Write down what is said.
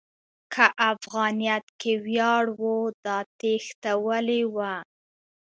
که افغانیت کې ویاړ و، دا تېښته ولې وه؟